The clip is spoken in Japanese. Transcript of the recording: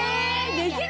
できる？